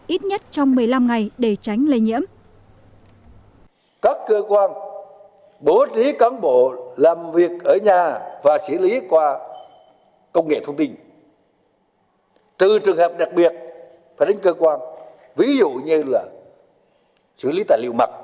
ít nhất trong một mươi năm ngày để tránh lây nhiễm